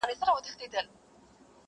ته په ډله کي روان سه د څارویو،